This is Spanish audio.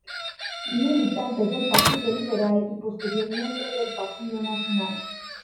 Militante del Partido Liberal y posteriormente del Partido Nacional.